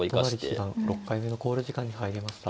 都成七段６回目の考慮時間に入りました。